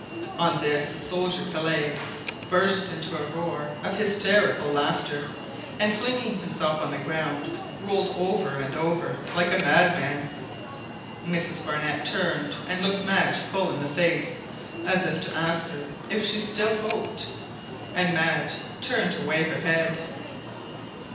On this the soldier Kellet burst into a roar of hysterical laughter, and flinging himself on the ground, rolled over and over like a madman. Mrs Barnett turned and looked Madge full in the face, as if to ask her if she still hoped, and Madge turned away her head.